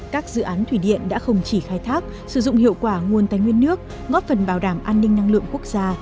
các dự án thủy điện đã không chỉ khai thác sử dụng hiệu quả nguồn tài nguyên nước góp phần bảo đảm an ninh năng lượng quốc gia